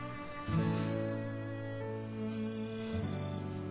うん。